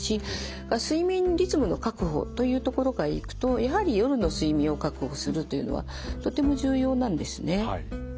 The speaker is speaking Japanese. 睡眠リズムの確保というところからいくとやはり夜の睡眠を確保するというのはとても重要なんですね。